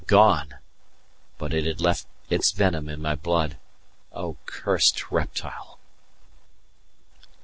Gone! but it had left its venom in my blood O cursed reptile!